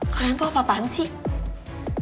kalian itu apaan sih